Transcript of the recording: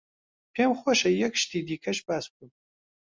پێم خۆشە یەک شتی دیکەش باس بکەم.